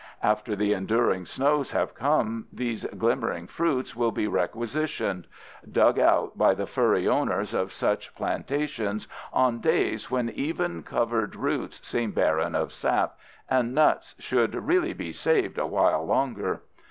After the enduring snows have come, these glimmering fruits will be requisitioned—dug out by the furry owners of such plantations on days when even covered roots seem barren of sap, and nuts should really be saved awhile longer.